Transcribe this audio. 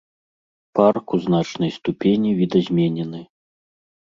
Парк у значнай ступені відазменены.